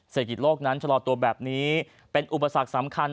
เศรษฐกิจโลกนั้นชะลอตัวแบบนี้เป็นอุปสรรคสำคัญ